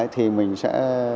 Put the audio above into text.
thì mình sẽ